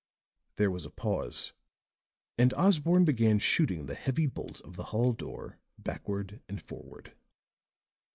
There was a pause; and Osborne began shooting the heavy bolt of the hall door backward and forward.